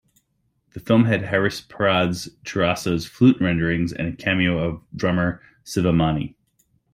The film had Hariprasad Chaurasia's flute rendering and a cameo of drummer Sivamani.